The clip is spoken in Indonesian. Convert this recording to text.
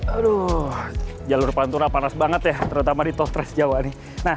aduh jalur pantunak panas banget ya terutama di tol transjawa ini